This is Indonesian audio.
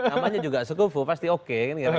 namanya juga sekufu pasti oke